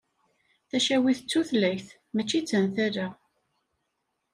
Tacawit d tutlayt mačči d tantala.